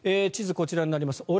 地図、こちらになります。